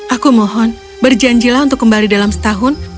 aku mohon berjanjilah untuk kembali dalam setahun